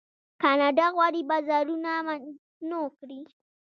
کاناډا غواړي بازارونه متنوع کړي.